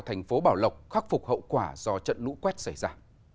thành phố bảo lộc khắc phục hậu quả do trận lũ quét xảy ra